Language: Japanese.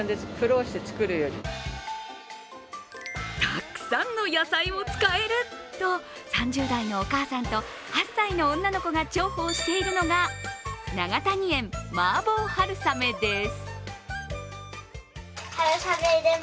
たくさんの野菜に使えると３０代のお母さんと８歳の女の子が重宝しているのが永谷園麻婆春雨です。